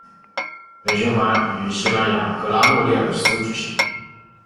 本循环于西班牙格拉诺列尔斯举行。